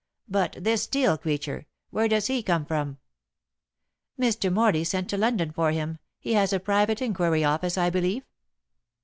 But this Steel creature. Where does he come from?" "Mr. Morley sent to London for him. He has a private inquiry office, I believe."